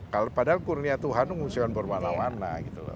padahal kurnia tuhan itu musuhnya berwarna warna